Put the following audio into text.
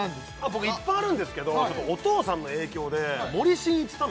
僕いっぱいあるんですけどお父さんの影響で森進一さん